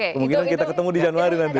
kemungkinan kita ketemu di januari nanti